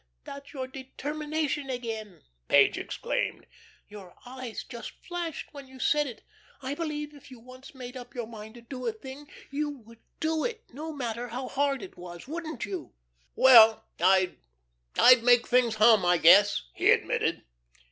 "That's your determination again," Page exclaimed. "Your eyes just flashed when you said it. I believe if you once made up your mind to do a thing, you would do it, no matter how hard it was, wouldn't you?" "Well, I'd I'd make things hum, I guess," he admitted.